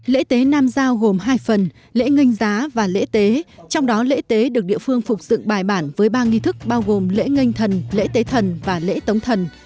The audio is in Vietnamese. lễ tế nam giao gồm hai phần lễ ngân giá và lễ tế trong đó lễ tế được địa phương phục dựng bài bản với ba nghi thức bao gồm lễ ngân thần lễ tế thần và lễ tống thần